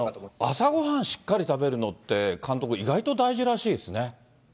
朝ごはんしっかり食べるのって、監督、意外と大事らしいです